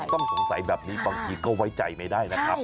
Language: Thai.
ต้องสงสัยแบบนี้บางทีก็ไว้ใจไม่ได้นะครับ